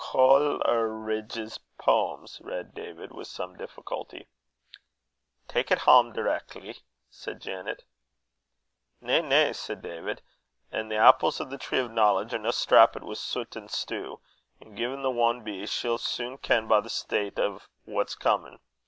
"Col e ridge's Poems," read David, with some difficulty. "Tak' it hame direckly," said Janet. "Na, na," said David; "a' the apples o' the tree o' knowledge are no stappit wi sut an stew; an' gin this ane be, she'll sune ken by the taste o't what's comin'.